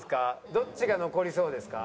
どっちが残りそうですか？